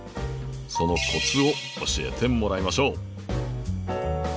そのコツを教えてもらいましょう。